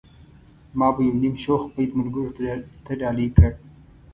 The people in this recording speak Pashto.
ما به يو نيم شوخ بيت ملګرو ته ډالۍ کړ.